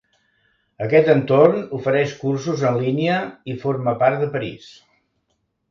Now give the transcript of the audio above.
Aquest entorn ofereix cursos en línia i forma part de París.